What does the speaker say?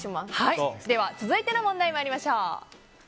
続いての問題に参りましょう。